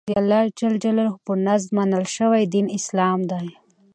دالله ج په نزد منل شوى دين اسلام دى.